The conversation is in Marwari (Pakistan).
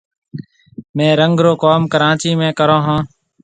ميه رنگ رو ڪوم ڪراچِي ۾ ڪرون هون۔